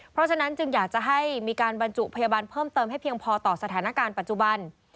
เพราะฉะนั้นจึงอยากจะให้มีการบรรจุพยาบาลเพิ่มเติมให้เพียงพอต่อสถานการณ์ปัจจุบัน